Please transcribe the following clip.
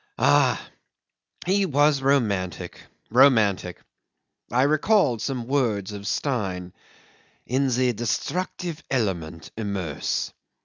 Ah! he was romantic, romantic. I recalled some words of Stein's. ... "In the destructive element immerse!